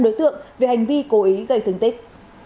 năm đối tượng về hành vi cố ý gây thương tích